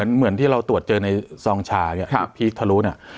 เหมือนที่เราตรวจเจอในซองชาพีคทะลุ